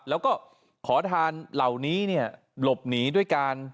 แล้วก็ขอทานเหล่านี้เนี่ยหลบหนีด้วยการ